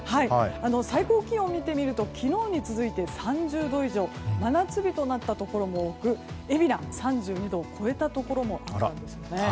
最高気温を見てみると昨日に続いて３０度以上真夏日となったところも多く海老名、３２度を超えたところもあったんです。